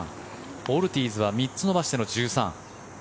オルティーズは３つ伸ばしての１３。